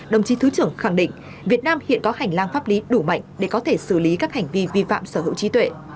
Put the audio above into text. đồng chí thứ trưởng khẳng định việt nam hiện có hành lang pháp lý đủ mạnh để có thể xử lý các hành vi vi phạm sở hữu trí tuệ